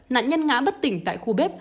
nạn nhân ngã bất tỉnh tại khu bếp